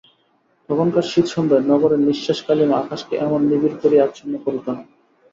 তখনকার শীতসন্ধ্যায় নগরের নিশ্বাসকালিমা আকাশকে এমন নিবিড় করিয়া আচ্ছন্ন করিত না।